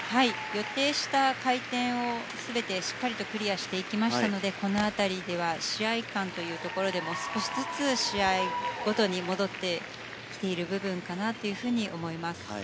予定した回転を全てしっかりとクリアしていきましたのでこの辺りでは試合感というところでも少しずつ試合ごとに戻ってきている部分かなと思います。